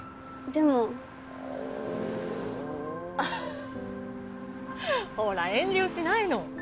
でもアハッほら遠慮しないの